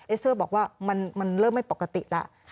สเซอร์บอกว่ามันเริ่มไม่ปกติแล้ว